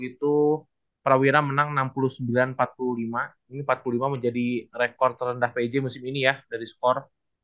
itu prawira menang enam puluh sembilan empat puluh lima ini empat puluh lima menjadi rekor terendah pj musim ini ya dari skor dua